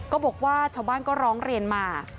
บอกว่าชาวบ้านก็ร้องเรียนมา